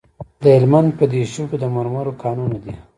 د هلمند په دیشو کې د مرمرو کانونه دي.